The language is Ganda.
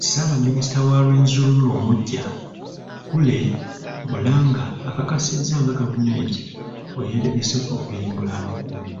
Ssaabaminisita wa Rwenzururu omuggya, Kule Muranga, akakasizza nga gavumenti bwe yeetegese okuyimbula abakuumi.